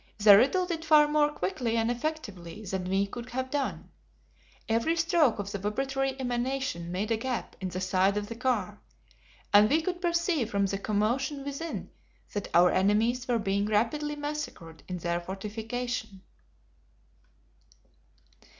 They riddled it far more quickly and effectively than we could have done. Every stroke of the vibratory emanation made a gap in the side of the car, and we could perceive from the commotion within that our enemies were being rapidly massacred in their fortification.